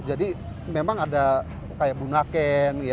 jadi memang ada kayak bunga kek